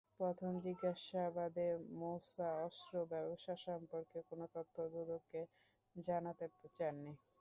প্রথম জিজ্ঞাসাবাদে মুসা অস্ত্র ব্যবসা সম্পর্কে কোনো তথ্য দুদককে জানাতে চাননি।